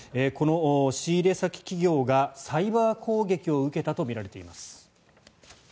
この仕入れ先企業がサイバー攻撃を受けたとみられています。